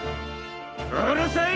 うるさい！